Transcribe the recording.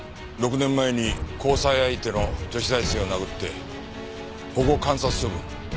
６年前に交際相手の女子大生を殴って保護観察処分。